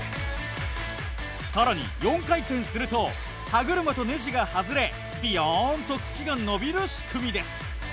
更に４回転すると歯車とネジが外れビヨンと茎が伸びる仕組みです。